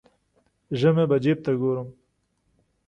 ژمی به جیب ته ګورم.